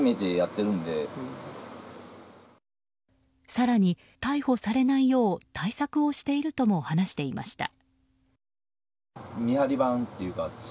更に、逮捕されないよう対策をしているとも話していました。